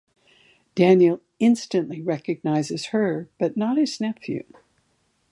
Daniel instantly recognizes her, but not his nephew.